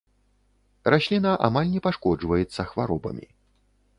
Расліна амаль не пашкоджваецца хваробамі.